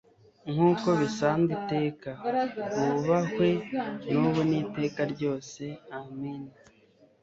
nk'uko bisanzwe iteka, bubahwe n'ubu n'iteka ryose. amina